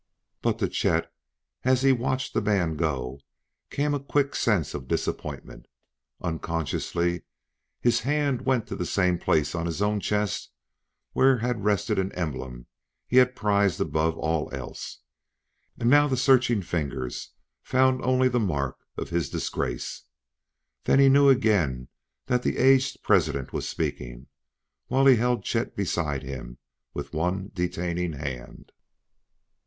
But to Chet, as he watched the man go, came a quick sense of disappointment. Unconsciously, his hand went to the same place on his own chest where had rested an emblem he had prized above all else and now his searching fingers found only the mark of his disgrace. Then he knew again that the aged President was speaking, while he held Chet beside him with one detaining hand.